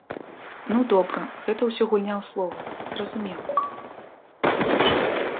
Ну добра, гэта ўсё гульня ў словы, зразумела.